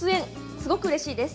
すごくうれしいです。